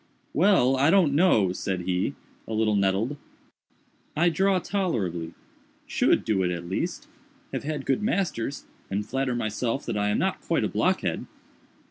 "Well, I don't know," said he, a little nettled, "I draw tolerably—should do it at least—have had good masters, and flatter myself that I am not quite a blockhead."